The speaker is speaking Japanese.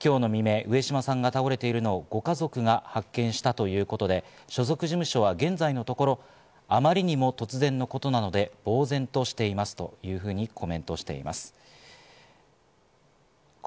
今日の未明、上島さんが倒れているのをご家族が発見したということで、所属事務所は現在のところ、あまりにも突然のことなので、呆然としていますというふうにコメントしています。